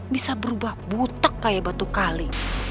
bisa berubah butek kayak batu kali